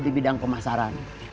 di bidang pemasaran